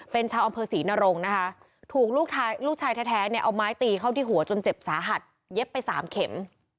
เป็นชาวอำเภอศรีนรงค์นะคะถูกลูกชายแท้เนี่ยเอาไม้ตีเข้าที่หัวจนเจ็บสาหัสเย็บไป๓เข็ม